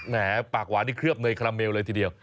แหมปากหวานนี่เคลือบเนยคาราเมลเลยทีเดียว